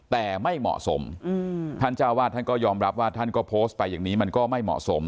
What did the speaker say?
แต่ไม่เหมาะสมท่านเจ้าวาดท่านก็ยอมรับว่าท่านก็โพสต์ไปอย่างนี้มันก็ไม่เหมาะสม